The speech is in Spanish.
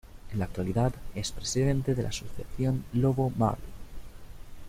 En la actualidad, es presidente de la asociación Lobo Marley.